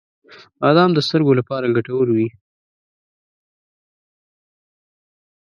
• بادام د سترګو لپاره ګټور وي.